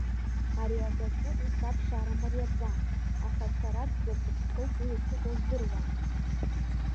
Ари адәаҿы ус аԥшаара мариаӡам, аха сараӡәзаҵәык соуп уи ахьыҟоу здыруа.